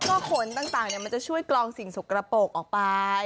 ก็ผลต่างมันจะช่วยกรองสิ่งสกระโปรกออกไป